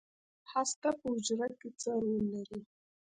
هسته په حجره کې څه رول لري؟